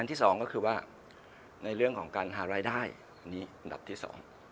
ที่สองก็คือว่าในเรื่องของการหารายได้อันนี้อันดับที่๒